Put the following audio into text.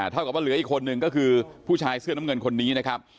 เท่ากับว่าเหลืออีกคนนึงก็คือผู้ชายเสื้อน้ำเงินคนนี้นะครับ